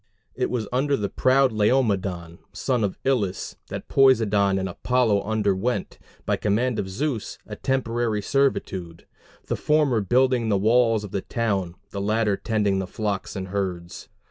It was under the proud Laomedon, son of Ilus, that Poseidon and Apollo underwent, by command of Zeus, a temporary servitude; the former building the walls of the town, the latter tending the flocks and herds.